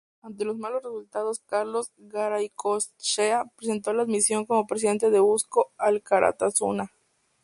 Ante los malos resultados, Carlos Garaikoetxea presentó la dimisión como presidente de Eusko Alkartasuna.